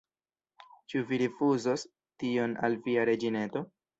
Ĉu Vi rifuzos tion al Via reĝineto?